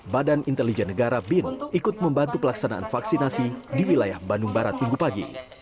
badan intelijen negara bin ikut membantu pelaksanaan vaksinasi di wilayah bandung barat minggu pagi